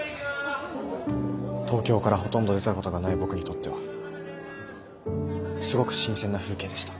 東京からほとんど出たことがない僕にとってはすごく新鮮な風景でした。